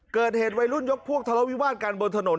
เกิดเหตุวัยรุ่นยกพวกทะเลาะวิวาดกันบนถนน